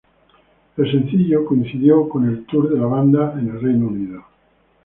El sencillo coincidió con el tour de la banda en Renio Unido.